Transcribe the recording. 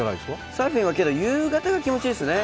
サーフィンは夕方が気持ちいいですね。